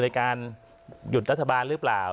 ในการหยุดรัฐบาลหรือเปล่า